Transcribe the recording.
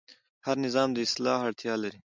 هر نظام د اصلاح اړتیا لري